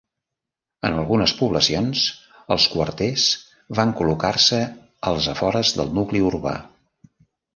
En algunes poblacions, els quarters van col·locar-se als afores del nucli urbà.